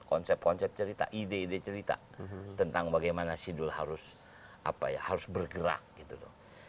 konsep konsep cerita ide ide cerita tentang bagaimana sidul harus bergerak gitu loh